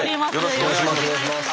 よろしくお願いします。